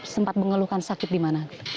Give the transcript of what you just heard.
sempat mengeluhkan sakit di mana